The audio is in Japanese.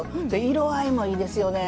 色合いもいいですよね。